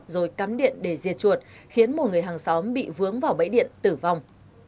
rồi cắm điện để diệt chuột khiến một người hàng xóm bị vướng vào bẫy điện tử vong